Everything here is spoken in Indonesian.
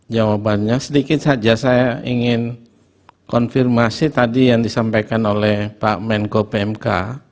jawabannya sedikit saja saya ingin konfirmasi tadi yang disampaikan oleh pak menko pmk